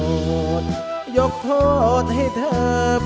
ไม่ใช้ครับไม่ใช้ครับ